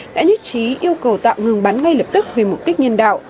đã nhất trí yêu cầu tạo ngừng bắn ngay lập tức vì mục đích nhân đạo